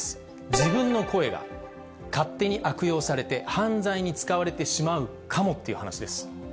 自分の声が勝手に悪用されて、犯罪に使われてしまうかもって話です。